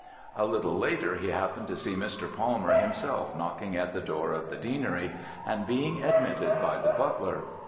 A little later, he happened to see Mr. Palmer himself knocking at the door of the Deanery and being admitted by the butler.